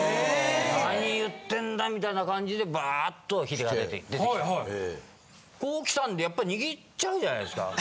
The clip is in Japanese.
「何言ってんだ」みたいな感じでバーッとヒデが出てきてこう来たんでやっぱり握っちゃうじゃないですか。